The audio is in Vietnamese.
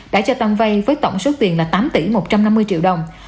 đã cho tâm vây với tổng số tiền là tám tỷ một trăm năm mươi triệu đồng